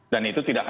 dan itu tidak hal